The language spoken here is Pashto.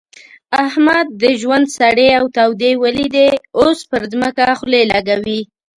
احمد د ژوند سړې او تودې وليدې؛ اوس پر ځمکه خولې لګوي.